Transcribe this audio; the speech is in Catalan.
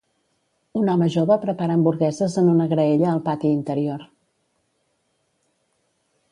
Un home jove prepara hamburgueses en una graella al pati interior